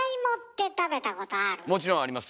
もちろんありますよ